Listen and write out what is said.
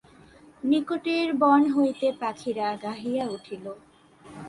নিকটের বন হইতে পাখিরা গাহিয়া উঠিল।